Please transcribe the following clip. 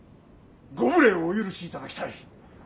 ご無礼をお許しいただきたい。